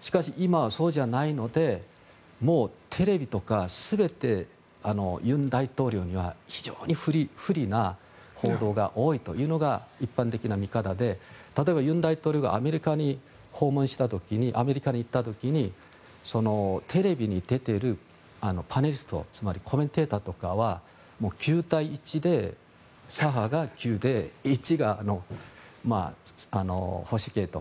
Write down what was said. しかし、今そうじゃないのでテレビとか全て尹大統領には非常に不利な報道が多いというのが一般的な見方で例えば尹大統領がアメリカに行った時にテレビに出ているパネリストつまりコメンテーターとかは９対１で左派が９で１が保守系と。